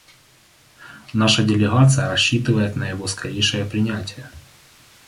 Наша делегация рассчитывает на его скорейшее принятие.